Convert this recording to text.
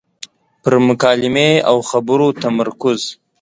پر مکالمې او خبرو تمرکز.